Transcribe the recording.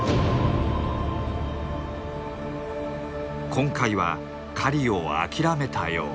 今回は狩りを諦めたよう。